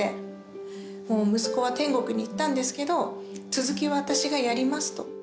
もう息子は天国に行ったんですけど続きは私がやりますと。